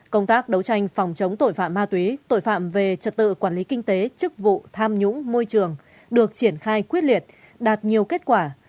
công tác đấu tranh phòng chống tội phạm ma túy tội phạm về trật tự quản lý kinh tế chức vụ tham nhũng môi trường được triển khai quyết liệt đạt nhiều kết quả